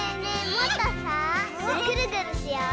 もっとさぐるぐるしよう！